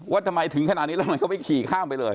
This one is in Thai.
ว่าทำไมถึงขนาดนี้แล้วทำไมเขาไปขี่ข้ามไปเลย